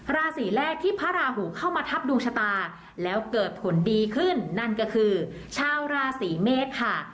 ราศีแรกที่พระราหูเข้ามาทับดวงชะตาแล้วเกิดผลดีขึ้นนั่นก็คือชาวราศีเมษค่ะ